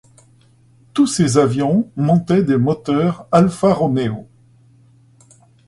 Tous ces avions montaient des moteurs Alfa Romeo.